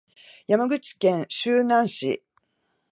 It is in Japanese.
山口県周南市